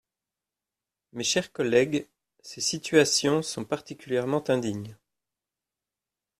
Mes chers collègues, ces situations sont particulièrement indignes.